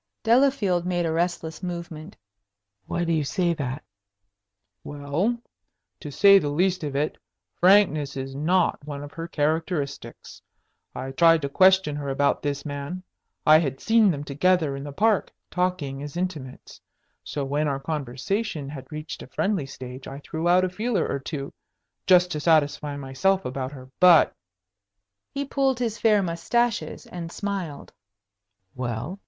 Delafield made a restless movement. "Why do you say that?" "Well, to say the least of it, frankness is not one of her characteristics. I tried to question her about this man. I had seen them together in the Park, talking as intimates. So, when our conversation had reached a friendly stage, I threw out a feeler or two, just to satisfy myself about her. But " He pulled his fair mustaches and smiled. "Well?"